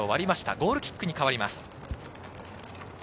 ゴールキックに変わります。